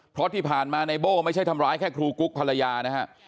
เพราะที่ผ่านมาในโบ้ไม่ใช่ทำร้ายแค่ครูกุ๊กภรรยานะฮะ